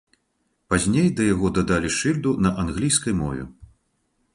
Пазней да яго дадалі шыльду на англійскай мове.